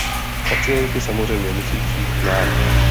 Pacienti samozřejmě musí přijít k nám.